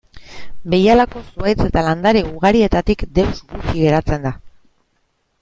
Behialako zuhaitz eta landare ugarietatik deus gutxi geratzen da.